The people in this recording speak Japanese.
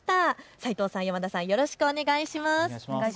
斎藤さん、山田さん、よろしくお願いします。